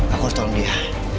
aku harus tolong dia